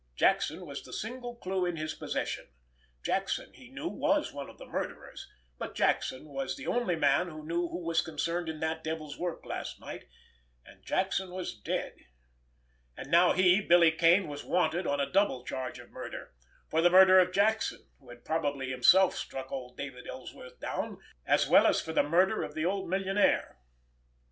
Jackson was the single clue in his possession. Jackson, he knew, was one of the murderers, but Jackson was the only man he knew who was concerned in that devil's work last night—and Jackson was dead. And now he, Billy Kane, was "wanted" on a double charge of murder—for the murder of Jackson, who had probably himself struck old David Ellsworth down, as well as for the murderer of the old millionaire!